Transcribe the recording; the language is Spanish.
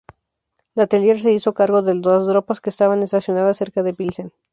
Le Tellier se hizo cargo de las tropas que estaban estacionadas cerca de Pilsen.